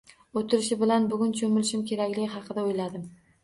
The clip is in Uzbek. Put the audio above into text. O’tirishi bilan, bugun cho’milishim kerakligi haqida o’yladim.